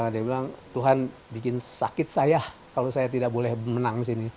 dia bilang tuhan bikin sakit saya kalau saya tidak boleh menang di sini